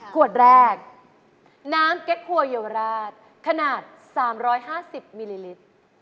ขวดแรกน้ำเก๊กครัวเยาวราชขนาด๓๕๐มิลลิลิตร